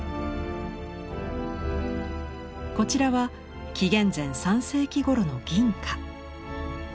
こちらは紀元前３世紀ごろの銀貨。